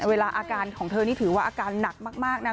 เวลาอาการของเธอนี่ถือว่าอาการหนักมากนะ